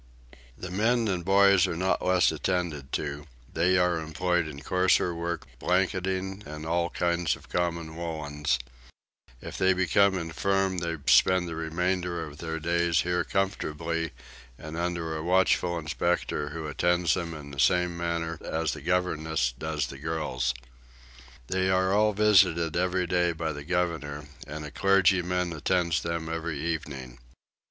The men and boys are not less attended to: they are employed in coarser work, blanketing and all kinds of common woollens: if they become infirm they spend the remainder of their days here comfortably and under a watchful inspector who attends them in the same manner as the governess does the girls. They are all visited every day by the governor, and a clergyman attends them every evening.